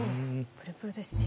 プルプルですね。